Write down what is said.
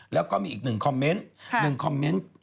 แล้วก็มีอีก๑คอมเม้นท์